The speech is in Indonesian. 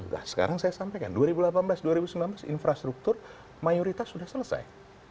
nah sekarang saya sampaikan dua ribu delapan belas dua ribu sembilan belas infrastruktur mayoritas sudah selesai